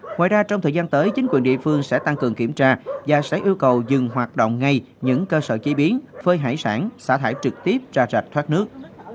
ngoài ra trong thời gian tới chính quyền địa phương sẽ tăng cường kiểm tra và sẽ yêu cầu dừng hoạt động ngay những cơ sở chế biến phơi hải sản xả thải trực tiếp ra rạch thoát nước